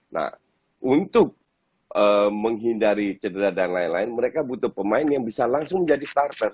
nah untuk menghindari cedera dan lain lain mereka butuh pemain yang bisa langsung jadi starter